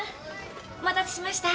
お待たせしました。